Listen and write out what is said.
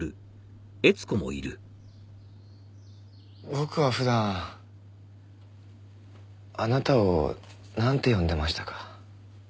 僕は普段あなたをなんて呼んでましたか？